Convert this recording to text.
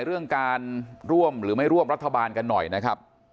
เรื่องการร่วมหรือไม่ร่วมรัฐบาลกันหน่อยนะครับ